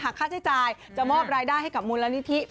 ค่าใช้จ่ายจะมอบรายได้ให้กับมูลนิธิ